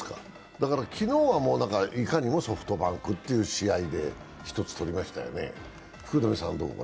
昨日はいかにもソフトバンクっていう試合で１つ取りましたよね。